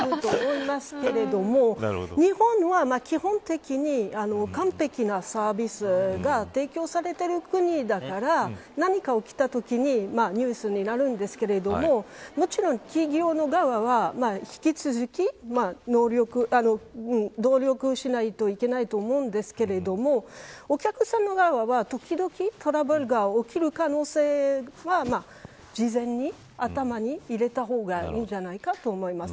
フランスは毎日トラブルはいっぱい受けてるからニュースにならない報道があると思いますけれども日本は、基本的に完璧なサービスが提供されている国だから何か起きたときに、ニュースになるんですけれどももちろん企業側は引き続き努力しないといけないと思うんですけれどもお客さま側は、時々トラブルが起きる可能性は事前に頭に入れた方がいいんじゃないかと思います。